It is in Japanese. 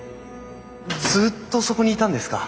ずっとそこにいたんですか？